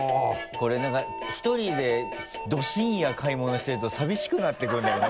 これ何か一人でど深夜買い物してると寂しくなってくるんだよな